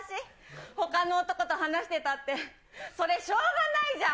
ほかの男と話してたって、それ、しょうがないじゃん。